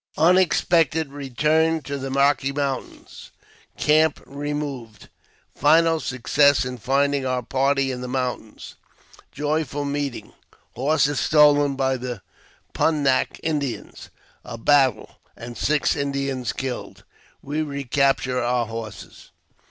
* Unexpected Keturn to the Eocliy Mountains — Camp removed— Final Success in finding our party in the Mountains — Joyful meeting — Horses stolen by the Pun nak Indians — A Battle, and six Indians killed— We re capture our Horses.